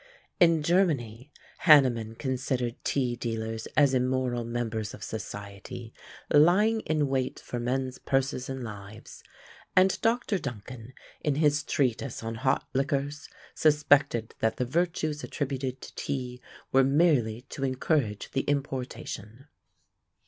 In Germany, Hanneman considered tea dealers as immoral members of society, lying in wait for men's purses and lives; and Dr. Duncan, in his Treatise on Hot Liquors, suspected that the virtues attributed to tea were merely to encourage the importation.